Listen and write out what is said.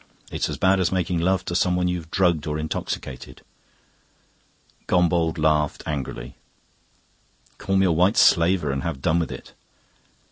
It's as bad as making love to someone you've drugged or intoxicated." Gombauld laughed angrily. "Call me a White Slaver and have done with it."